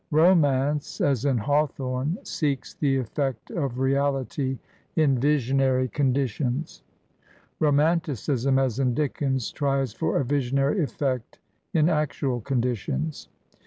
Ro mance, as in Hawthorne, seeks the effect of reality in visionary conditions; romanticism, as in Dickens, tries for a visionary effect in actual conditions.